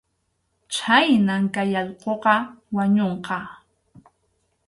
Chhaynam kay allquqa wañunqa.